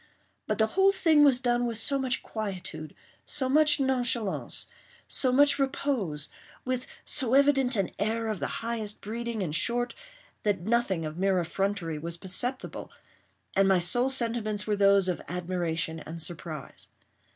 But the whole thing was done with so much quietude—so much nonchalance—so much repose—with so evident an air of the highest breeding, in short—that nothing of mere effrontery was perceptible, and my sole sentiments were those of admiration and surprise.